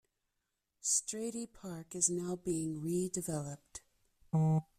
Stradey Park is now being re-developed.